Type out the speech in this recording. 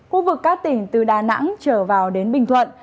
khu vực các tỉnh từ đà nẵng trở vào đến bình thuận